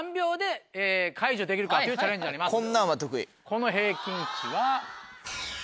この平均値は。